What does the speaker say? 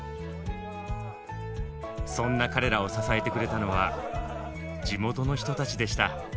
そんな彼らを支えてくれたのは地元の人たちでした。